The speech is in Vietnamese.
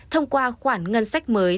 thông qua khoản ngân sách mới